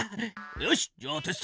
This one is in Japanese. よしっじゃあテストだ！